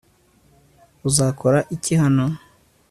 uzakora iki hano